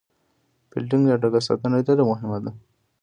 فیلډینګ یا ډګر ساتنه ډېره مهمه ده.